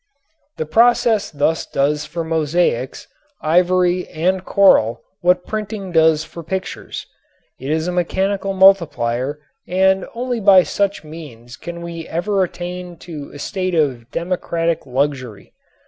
The process thus does for mosaics, ivory and coral what printing does for pictures. It is a mechanical multiplier and only by such means can we ever attain to a state of democratic luxury.